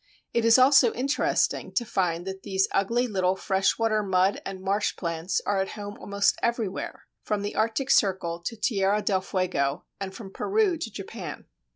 It is also interesting to find that these ugly little freshwater mud and marsh plants are at home almost everywhere, from the Arctic circle to Tierra del Fuego and from Peru to Japan.